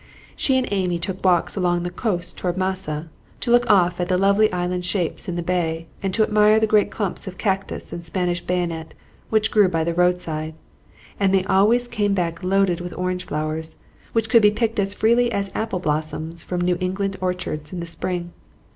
She and Amy took walks along the coast toward Massa, to look off at the lovely island shapes in the bay, and admire the great clumps of cactus and Spanish bayonet which grew by the roadside; and they always came back loaded with orange flowers, which could be picked as freely as apple blossoms from New England orchards in the spring.